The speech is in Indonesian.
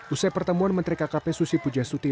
usai pertemuan menteri kkp susi pujias tuti